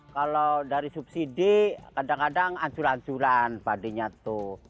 kalau dari subsidi kadang kadang ancur ancuran padinya tuh